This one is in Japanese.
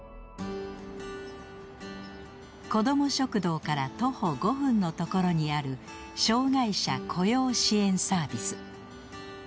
子ども食堂から徒歩５分のところにある障がい者雇用支援サービス。